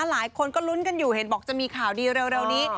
หลายคนก็ลุ้นกันอยู่เห็นบอกจะมีข่าวดีเร็วนี้